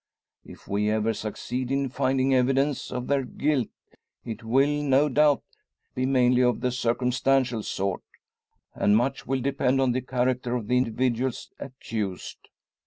If we ever succeed in finding evidence of their guilt it will, no doubt, be mainly of the circumstantial sort; and much will depend on the character of the individuals accused.